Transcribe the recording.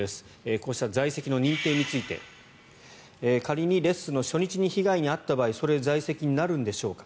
こうした在籍の認定について仮にレッスンの初日に被害に遭った場合それは在籍になるんでしょうか。